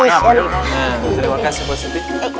nah terima kasih pak suti